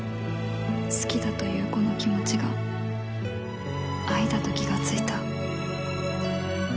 好きだというこの気持ちが愛だと気がついた